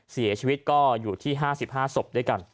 เสียชีวิตอยู่ที่๕๕ศพ